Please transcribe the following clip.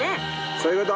そういうこと。